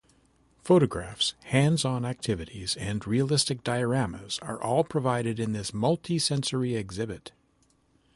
Photographs, hands-on activities, and realistic dioramas are all provided in this multi-sensory exhibit.